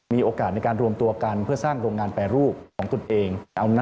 มีโอกาสในการรวมตัวกันเพื่อสร้างโรงงานแปรรูปของตนเอง